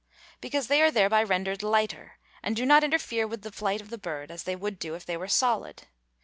_ Because they are thereby rendered lighter, and do not interfere with the flight of the bird as they would do if they were solid.